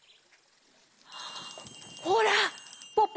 ほらポポ